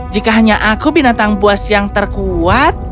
jika hanya aku binatang buas yang terkuat